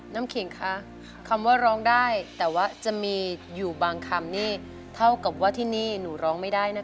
ขิงคะคำว่าร้องได้แต่ว่าจะมีอยู่บางคำนี่เท่ากับว่าที่นี่หนูร้องไม่ได้นะคะ